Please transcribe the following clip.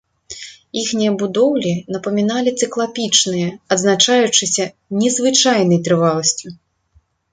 Іхнія будоўлі напаміналі цыклапічныя, адзначаючыся незвычайнай трываласцю.